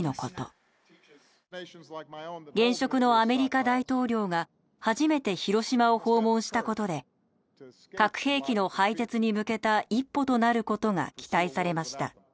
現職のアメリカ大統領が初めて広島を訪問したことで核兵器の廃絶に向けた一歩となることが期待されました。